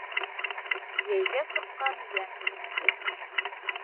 Йәйгә сыҡҡан йән үлмәҫ.